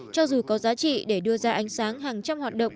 cho dù có giá trị để đưa ra ánh sáng hàng trăm hoạt động